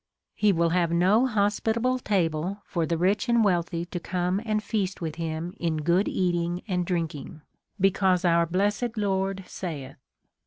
He will have no hospitable table for the rich and wealthy to come and feast with him in good eating and drinking ; because our blessed Lord saith.